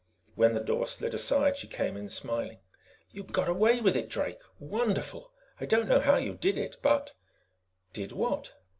When the door slid aside, she came in, smiling. "You got away with it, Drake! Wonderful! I don't know how you did it, but " "Did what?"